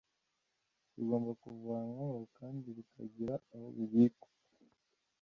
bigomba kuvanwaho kandi bikagira aho bibikwa